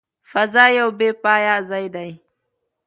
فضا یو بې پایه ځای دی.